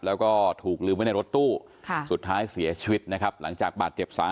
แล้วก็ถูกลืมไว้ในรถตู้สุดท้ายเสียชีวิตนะครับหลังจากบาดเจ็บสาหัส